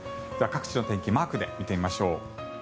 各地の天気をマークで見てみましょう。